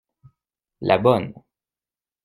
La bonne.